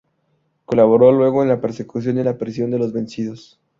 Colaboró luego en la persecución y la prisión de los vencidos.